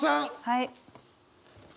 はい。